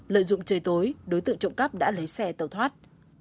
lợi dụng trời tối đối tượng trộm cắp đã lấy xe tàu thoát